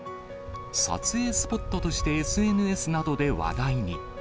撮影スポットとしてＳＮＳなどで話題に。